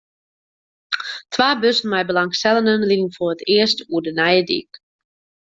Twa bussen mei belangstellenden rieden foar it earst oer de nije dyk.